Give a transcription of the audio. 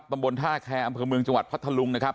ตำบลท่าแคร์อำเภอเมืองจังหวัดพัทธลุงนะครับ